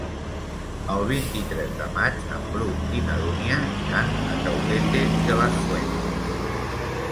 El vint-i-tres de maig en Bru i na Dúnia iran a Caudete de las Fuentes.